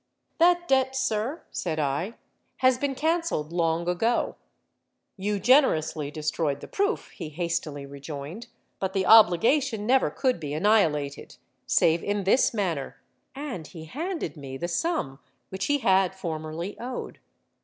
'—'That debt, sir,' said I, 'has been cancelled long ago.'—'You generously destroyed the proof,' he hastily rejoined; 'but the obligation never could be annihilated, save in this manner:' and he handed me the sum which he had formerly owed.